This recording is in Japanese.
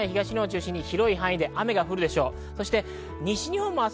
明日は西日本や東日本を中心に広い範囲で雨が降るでしょう。